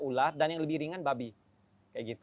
ular dan yang lebih ringan babi